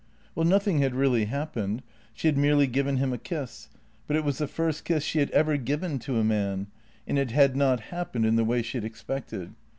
" Well, nothing had really happened — she had merely given him a kiss, but it was the first kiss she had ever given to a man, and it had not happened in the way she had expected.